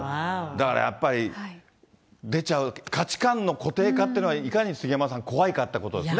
だからやっぱり、出ちゃう、価値観の固定化というのがいかに杉山さん、怖いかっていうことですね。